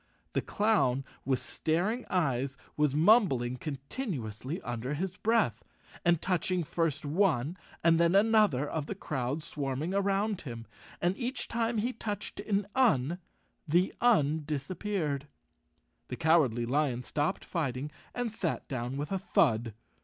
The clown, with staring eyes, was mumbling continuously under his breath, and touching first one and then another of the crowd swarming around him, and each time he touched an Un, the Un disappeared. The Cowardly Lion stopped fighting and sat down with a thud.